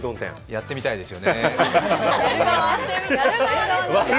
やってみたいんですか！？